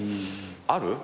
ある？